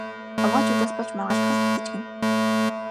Авгайчуудаас болж маргалдах л дутаж гэнэ.